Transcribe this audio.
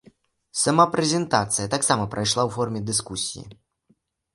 Сама прэзентацыя таксама прайшла ў форме дыскусіі.